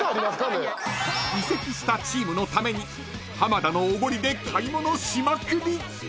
［移籍したチームのために浜田のおごりで買い物しまくり］